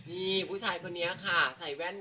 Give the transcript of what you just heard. นี่ผู้ชายคนนี้ค่ะใส่แว่น